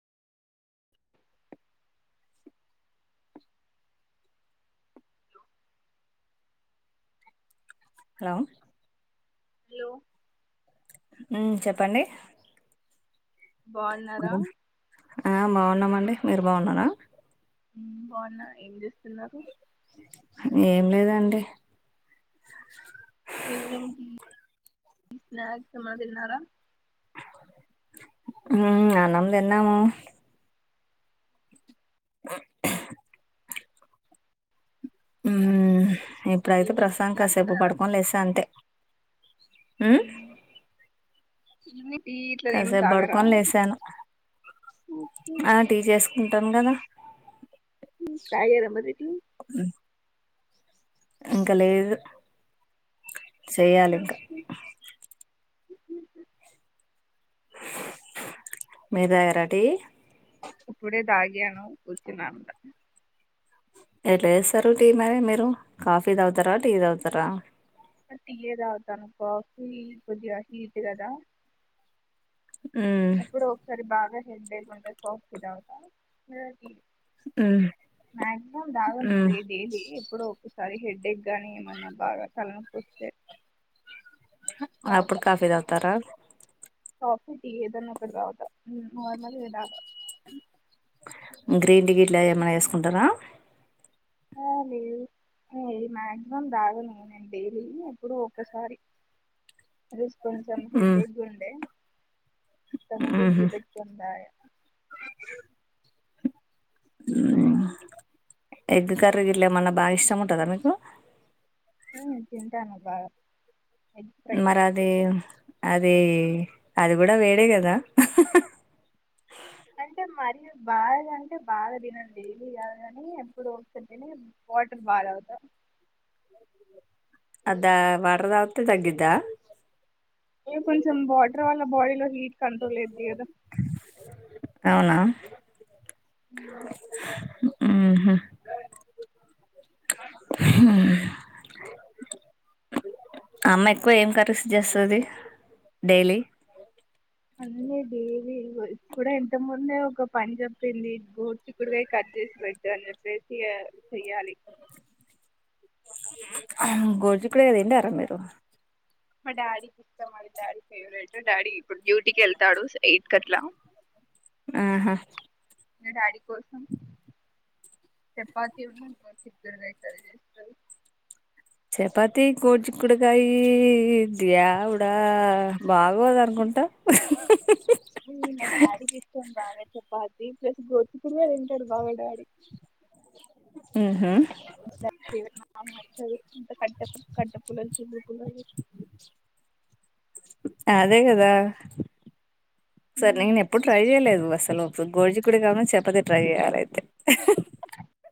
Hello hello ఉమ్ చెప్పండి బాగున్నారా ఆ బాగున్నామండి మీరు బాగున్నారా బావున్నా ఏం చేస్తున్నారు ఏం లేదండి ఈవినింగ్ టీ స్నాక్స్ ఏమన్న తిన్నారా హు మ్ అన్నం తిన్నాము ఉమ్ ఇప్పుడైతే ఈవినింగ్ టీ ప్రస్తుతాని కి కాసేపు తాగారా పడుకోని లేెసా అంతే ఉ ఇన్ని కాసేపు పడుకొని లేసాను ఓకే. ఆ టీచేస్ కుంటాను కదా తాగార మరి ఇంకా లేదు చేయాలి ఇంకా ఓకే. మేరా రెడీ ఇప్పుడేదాగేన ఉచనాంద ఎలా చేస్తారు టీ మర మీరు కాఫీ టీ తాగుతారా టీ తాగుతారా టీఏ తాగుతా కాఫీ కొంచెం హిట్ కదా ఉమ్ అప్పుడు ఒకసారి బాగా హెడ్ బేక్ంటే కోక్ ఇదతలా ఉమ్ మక్సిమం ఉమ్ దాగీ డైలీ ఎప్పుడ అది హెడేక్ గాని ఏమన్నా బాగా తలనొకి వస్తే అప్పుడు కాఫీ తాగుతారా కాఫి ఏదన్నా ఒకడ కావతా నర్మలీ ఏదగా గ్రీన్ టీ ఇట్లా ఏమనా వేసుకుంటారా ఆ లేదు మాయాక్సిమం తాగలే నేను డైలీ ఎప్పుడు ఒకసారి కొంచెం ఉమ్ హేడేక్ ఉండే ఇంతకుముందు టీ ఉహు పెట్టుకున్నాయి ఎగ్ కర్రీ గిట్ల ఏమన్నా బాగా ఇష్టం ఉంటుందా మీకు హు తింటాను బాగా ఎగ్ ఫ్రై మరి అది అదే అదే కూడా వేడి కదా అంటే మరి బాగా అంటే బాగా తినండి డైలీ కాదు కాని ఎప్పుడు వస్తుంటేనే వాట్ [unintelligible] అదా వాటర్ తాగితే తగ్గుతదా ఇ కొంచెం వాటర్ వాల్ల బాడీలో హీట్ కంట్రోల్ అద్ది కదా అవునా ఉహ్ ఉహు అమ్మ ఎక్కువ ఏం కర్రీస్ చేస్తుది డైలీ అన్నేది ఇప్పు ఇంత ముంద ఒక పని చెప్పింది గోరుచిక్కుడుకాయ కట్ చేసి పెట్టి అ చెప్పేసిచెయ్యాలి గోరుచిక్కుడుకాయ తింటారా మీరు మా డాడీకి ఇష్టం మా డాడీ ఫేవరెట్ డాడీ ఇప్పుడు డ్యూటీకి వెళ్తాడు ఎయిత్ అట్లా ఆహా మీ డాడీ కోసం చపాతి ఉన్నా గోరుచిక్కుడుకాయ కర్రీ చేస్తారు చపాతి గోరుచిక్కుడుకాయ ఈఈ దేవుడు బాగోదు అనుకుంటా ఉమ్ మా డాడి కి ఇష్టం బాగా చపాతి వి ప్లస్ గోరుచిక్కుడుకాయ తింటాడు బాగా డాడీ ఉహు [unintelligible] మా అమ్మ వస్తుంది అ కట్ట పూ కట్ట పూలాలు చీపురి పూలలు అదే కదా సరే నేను ఎప్పుడు ట్రై చేయలేదు బస్ అసలు ఒక గోడి చిక్కుడుకాయ చపాతీ ట్రై చేయాలయితే